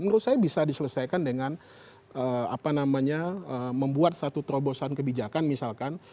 menurut saya bisa diselesaikan dengan apa namanya membuat satu terobosan kebijakan misalkan